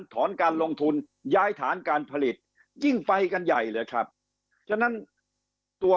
ถอนการลงทุนย้ายฐานการผลิตยิ่งไปกันใหญ่เลยครับฉะนั้นตัว